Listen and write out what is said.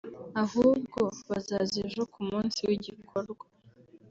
ahubwo bazaza ejo ku munsi w’igikorwa